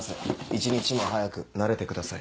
一日も早く慣れてください。